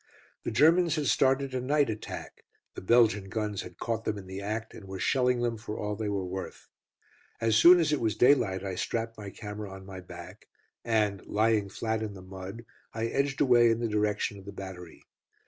The Germans had started a night attack, the Belgian guns had caught them in the act and were shelling them for all they were worth. As soon as it was daylight I strapped my camera on my back, and, lying flat in the mud, I edged away in the direction of the battery.